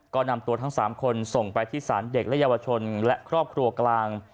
ก็นำตัวทั้ง๓คนส่งไปที่ศาลเด็กและเยาวชนและครอบครัวกลาง